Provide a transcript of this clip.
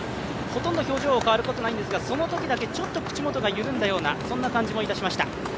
ほとんど表情が変わることはないんですが、そのときだけちょっと口元が緩んだような感じもいたしました。